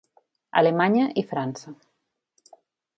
Alemanya i França.